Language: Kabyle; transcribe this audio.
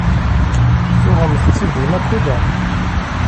Tuɣemt-tt-id deg Makuda?